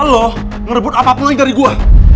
lo ngerebut apapun lagi dari gue